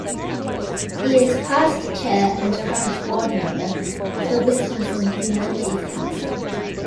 He is past Chair and current board member of the Wisconsin Humanities Council.